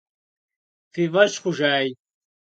Фи фӀэщ хъужаи.